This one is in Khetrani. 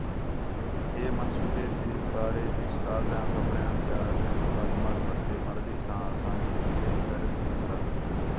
ہے منصوبے تی بارے وِچ تازہ خبریاں ٻیا نویں معلومات واسطے مرضی ساں اساں جی ای میل فہرست وِچ رَل۔